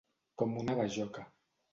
Com una bajoca.